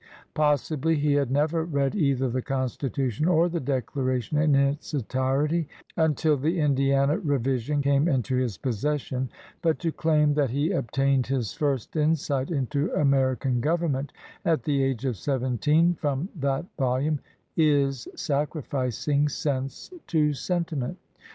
Possibly he had never read either the Constitution or the Declaration in its entirety until the Indiana re vision came into his possession; but to claim that he obtained his first insight into American gov ernment, at the age of seventeen, from that vol ume, is sacrificing sense to sentiment.